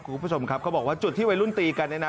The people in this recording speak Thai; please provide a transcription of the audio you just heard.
คุณผู้ชมครับเขาบอกว่าจุดที่วัยรุ่นตีกันเนี่ยนะ